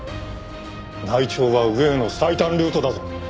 内調は上への最短ルートだぞ。